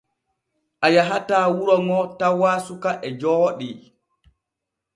A yahataa wuro ŋo tawaa suka e jooɗii.